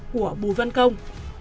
của bùi văn công